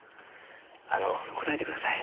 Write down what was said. あの答えてください。